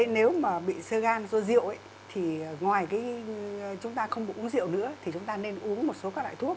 nếu mà bị sơ gan sơ rượu thì ngoài chúng ta không bị uống rượu nữa thì chúng ta nên uống một số các loại thuốc